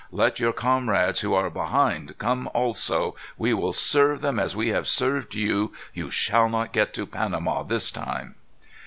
Let your comrades, who are behind, come also. We will serve them as we have served you. You shall not get to Panama this time."